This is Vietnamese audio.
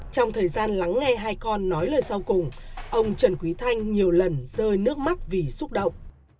trong thời gian lắng nghe hai con nói lời sau cùng ông trần quý thanh nhiều lần rơi nước mắt vì xúc động